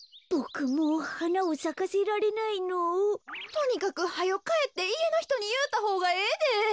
とにかくはよかえっていえのひとにいうたほうがええで。